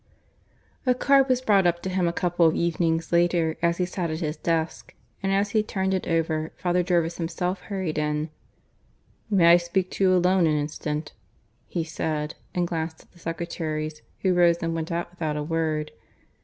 (III) A card was brought up to him a couple of evenings later as he sat at his desk; and as he turned it over Father Jervis himself hurried in. "May I speak to you alone an instant?" he said; and glanced at the secretaries, who rose and went out without a word.